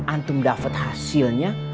antum dapat hasilnya